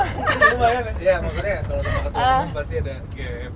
ya maksudnya kalau temen temen pasti ada gap